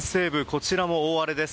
こちらも大荒れです。